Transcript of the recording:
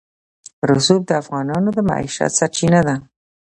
رسوب د افغانانو د معیشت سرچینه ده.